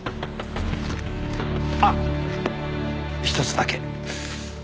あっひとつだけ。